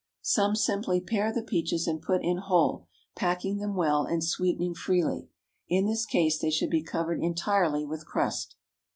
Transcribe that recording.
Some simply pare the peaches and put in whole, packing them well, and sweetening freely. In this case they should be covered entirely with crust.